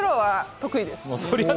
得意です。